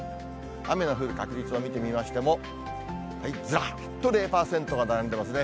雨の降る確率を見てみましても、ずらーっと０％が並んでますね。